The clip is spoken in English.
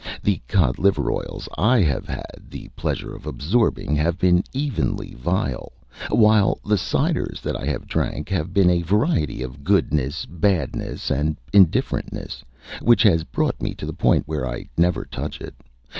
The cod liver oils I have had the pleasure of absorbing have been evenly vile, while the ciders that I have drank have been of a variety of goodness, badness, and indifferentness which has brought me to the point where I never touch it.